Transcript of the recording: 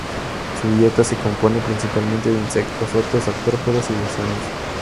Su dieta se compone principalmente de insectos, otros artrópodos y gusanos.